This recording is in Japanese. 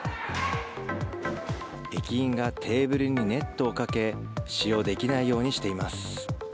駅員がテーブルにネットをかけ使用できないようにしています。